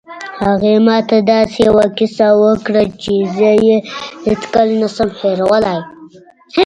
هغې ما ته یوه داسې کیسه وکړه چې زه یې هېڅکله نه شم هیرولی